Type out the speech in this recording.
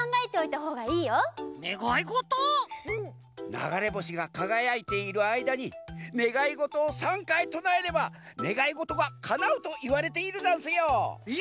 ながれぼしがかがやいているあいだにねがいごとを３かいとなえればねがいごとがかなうといわれているざんすよ。え！？